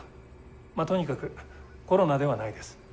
まあとにかくコロナではないです。